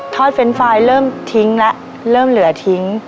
เฟรนด์ไฟล์เริ่มทิ้งแล้วเริ่มเหลือทิ้ง